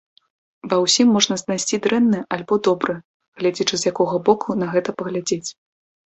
Ва ўсім можна знайсці дрэннае альбо добрае, гледзячы з якога боку на гэта паглядзець.